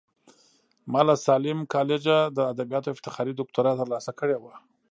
ما له ساليم کالجه د ادبياتو افتخاري دوکتورا ترلاسه کړې وه.